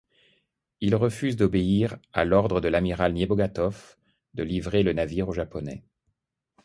Il refuse d'obéir à l'ordre de l'amiral Niébogatov de livrer le navire aux Japonais.